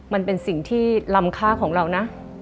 มันเป็นสิ่งที่ลำค่าของเรานะ